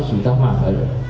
seratus ribu mah